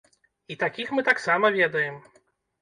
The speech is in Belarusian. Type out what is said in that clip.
І такіх мы таксама ведаем.